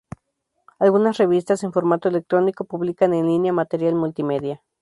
Algunas revistas, en formato electrónico, publican en línea material multimedia.